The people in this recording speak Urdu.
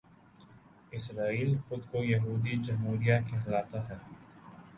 اسرائیل خود کو یہودی جمہوریہ کہلاتا ہے